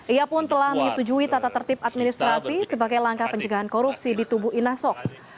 ia pun telah menyetujui tata tertib administrasi sebagai langkah pencegahan korupsi di tubuh inasok